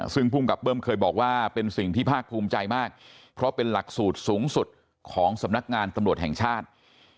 ซึ่งภูมิกับเบิ้มเคยบอกว่าเป็นสิ่งที่ภาคภูมิใจมากเพราะเป็นหลักสูตรสูงสุดของสำนักงานตำรวจแห่งชาติ